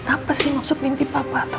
apa sih maksud mimpi papa